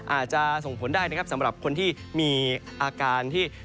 อาจจะส่งผลได้นะครับสำหรับคนที่มีอาการที่